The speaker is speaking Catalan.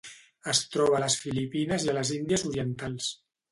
Es troba a les Filipines i les Índies Orientals.